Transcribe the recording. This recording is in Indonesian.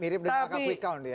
mirip dengan quick count ya